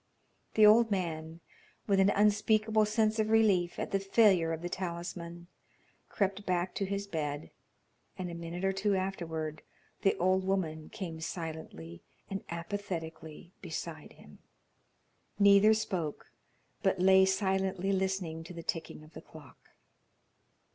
The old man, with an unspeakable sense of relief at the failure of the talisman, crept back to his bed, and a minute or two afterward the old woman came silently and apathetically beside him. Neither spoke, but lay silently listening to the ticking of the clock.